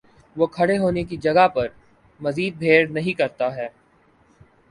وہ کھڑے ہونے کی جگہ پر مزید بھیڑ نہیں کرتا ہے